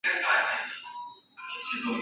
雄雌异株。